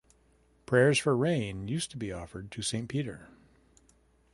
Prayers for rain used to be offered to St. Peter.